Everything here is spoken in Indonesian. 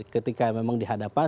ketika memang dihadapan